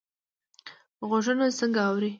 غوږونه څنګه اوري؟